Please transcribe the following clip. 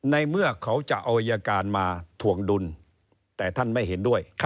ในเมื่อเขาจะเอาอายการมาถวงดุลแต่ท่านไม่เห็นด้วย